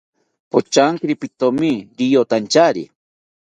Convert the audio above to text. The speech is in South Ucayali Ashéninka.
Pochantiri pitoni riyotantyari